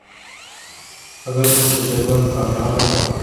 اگر تو تجربہ کامیاب رہا